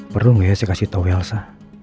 perlu nggak ya saya kasih tahu elsa